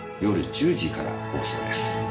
夜１０時から放送です。